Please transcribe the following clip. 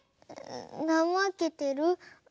なまけてる？